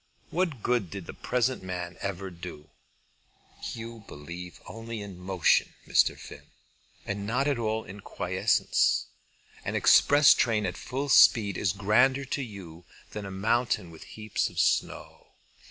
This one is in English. What good did the present man ever do?" "You believe only in motion, Mr. Finn; and not at all in quiescence. An express train at full speed is grander to you than a mountain with heaps of snow.